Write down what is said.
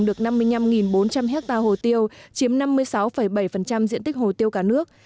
được năm mươi năm bốn trăm linh hectare hồ tiêu chiếm năm mươi sáu bảy diện tích hồ tiêu cả nước